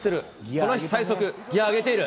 この日最速、ギア上げている。